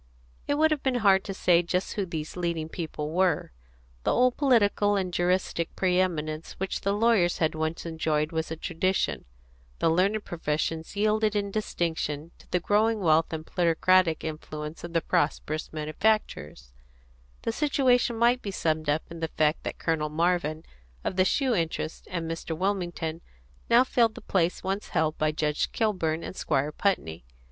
It would have been hard to say just who these leading people were. The old political and juristic pre eminence which the lawyers had once enjoyed was a tradition; the learned professions yielded in distinction to the growing wealth and plutocratic influence of the prosperous manufacturers; the situation might be summed up in the fact that Colonel Marvin of the shoe interest and Mr. Wilmington now filled the place once held by Judge Kilburn and Squire Putney.